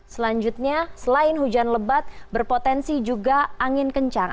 selanjutnya selain hujan lebat berpotensi juga angin kencang